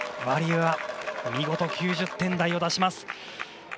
ワリエワ見事９０点台を出します。